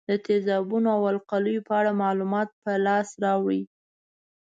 د تیزابونو او القلیو په اړه معلومات په لاس راوړئ.